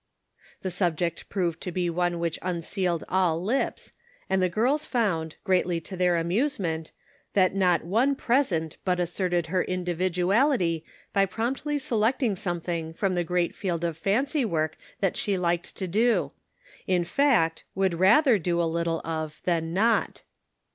" The subject proved to be one which un sealed all lips, and the girls found, greatly to their amusement, that not one present but asserted her individuality by promptly se lecting something from the great field of fancy work that she liked to do — in fact, would rather do a little of than not.